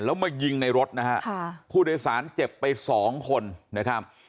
แล้วมายิงในรถนะฮะผู้โดยสารเจ็บไปสองคนนะครับ